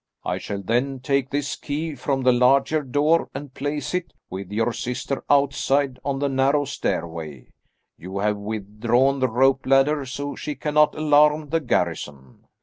I shall then, take this key from the larger door and place it, with your sister, outside on the narrow stairway. You have withdrawn the rope ladder so she cannot alarm the garrison."